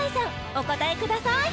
お答えください